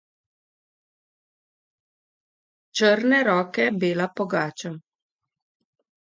Črne roke, bela pogača.